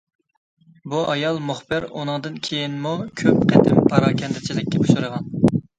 بۇ ئايال مۇخبىر ئۇنىڭدىن كېيىنمۇ كۆپ قېتىم پاراكەندىچىلىككە ئۇچرىغان.